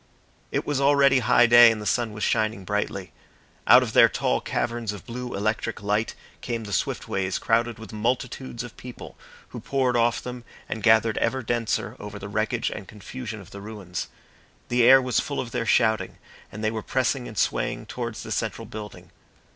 It was already high day and the sun was shining brightly. Out of their tall caverns of blue electric light came the swift ways crowded with multitudes of people, who poured off them and gathered ever denser over the wreckage and confusion of the ruins. The air was full of their shouting, and they were pressing and swaying towards the central building.